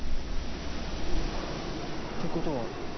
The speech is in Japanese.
てことは。